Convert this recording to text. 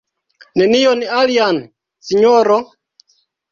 Nenion alian, sinjoro?